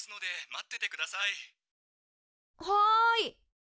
はい！